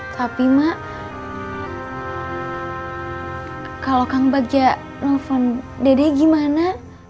tapi mak kalau kang bagja nelfon dede gimana